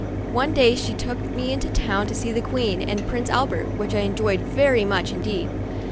One day she took me into town to see the Queen and Prince Albert, which I enjoyed very much indeed.